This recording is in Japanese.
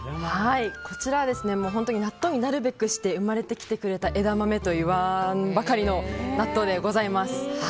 こちら、納豆になるべくして生まれてきてくれた枝豆といわんばかりの納豆でございます。